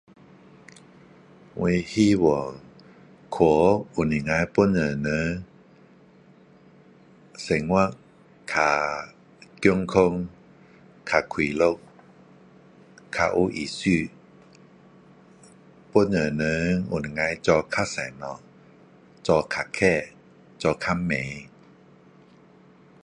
我希望去能够帮助人，生活较健康，较快乐，较有意思。帮助人能够做较多东西，做更快，做更慢。